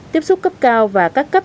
tiếp xúc cấp cao và các cấp